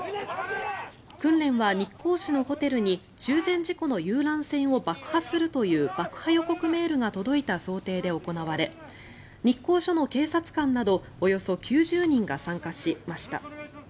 訓練は日光市のホテルに中禅寺湖の遊覧船を爆破するという爆破予告メールが届いた想定で行われ日光署の警察官などおよそ９０人が参加しました。